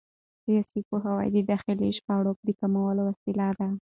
سیاسي پوهاوی د داخلي شخړو د کمولو وسیله ده